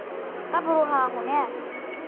قبرها هناك.